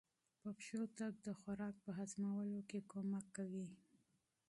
پیاده تګ د خوراک په هضمولو کې مرسته کوي.